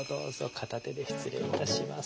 片手で失礼いたします。